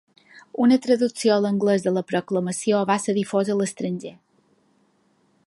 Una traducció a l'anglès de la proclamació va ser difosa a l'estranger.